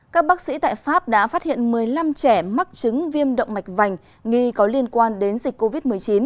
các bác sĩ tại pháp đã phát hiện một mươi năm trẻ mắc chứng viêm động mạch vành nghi có liên quan đến dịch covid một mươi chín